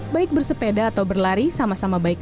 baik bersepeda atau berlari sama sama baik